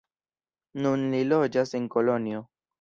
Nun li loĝas en Kolonjo.